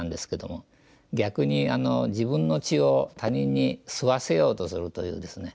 逆に自分の血を他人に吸わせようとするというですね